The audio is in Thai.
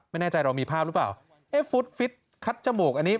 ไม่แน่ใจเรามีภาพหรือเปล่าเอ๊ะฟุตฟิตคัดจมูกอันนี้